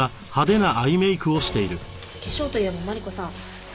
化粧といえばマリコさん